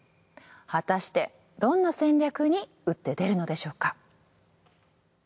果たしてどんな戦略に打って出るのでしょうか。